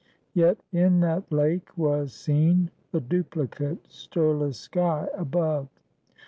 Yet in that lake was seen the duplicate, stirless sky above.